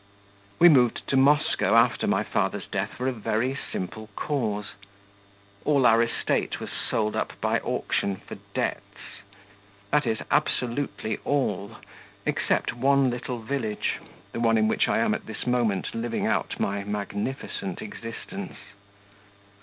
We moved to Moscow after my father's death for a very simple cause: all our estate was sold up by auction for debts that is, absolutely all, except one little village, the one in which I am at this moment living out my magnificent existence.